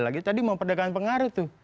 lagi tadi memperdagang pengaruh tuh